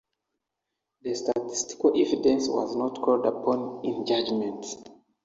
The statistical evidence was not called upon in judgment.